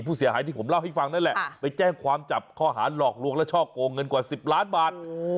ผู้เสียหายที่ผมเล่าให้ฟังนั่นแหละไปแจ้งความจับข้อหาหลอกลวงและช่อโกงเงินกว่า๑๐ล้านบาท